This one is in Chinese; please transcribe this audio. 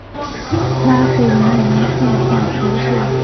拉费兰人口变化图示